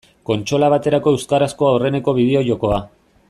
Kontsola baterako euskarazko aurreneko bideo-jokoa.